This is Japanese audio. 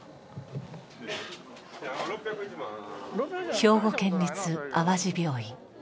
兵庫県立淡路病院。